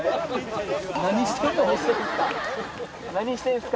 何してんですか？